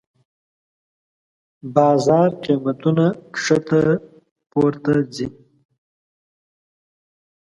بازار قېمتونه کښته پورته ځي.